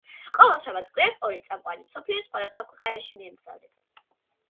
ყოველ შაბათ-კვირას ორი წამყვანი მსოფლიოს სხვადასხვა ქვეყანაში მიემგზავრება.